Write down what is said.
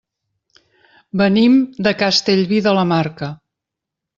Venim de Castellví de la Marca.